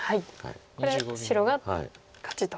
これ白が勝ちと。